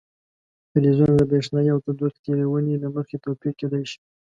فلزونه د برېښنايي او تودوخې تیرونې له مخې توپیر کیدای شي.